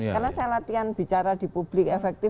karena saya latihan bicara di publik efektif